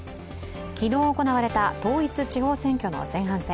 昨日行われた統一地方選挙の前半戦。